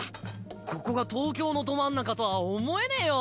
ここが東京のど真ん中とは思えねぇよ。